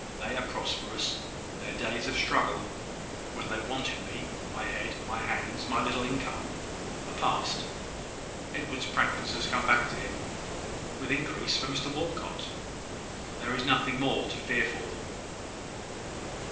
They are prosperous: their days of struggle, when they wanted me my head, my hands, my little income are past. Edward's practice has come back to him, with increase for Mr Walcot. There is nothing more to fear for them."